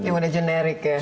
yang udah generik ya